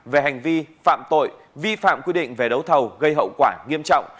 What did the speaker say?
về hành vi phạm tội vi phạm quy định về đấu thầu gây hậu quả nghiêm trọng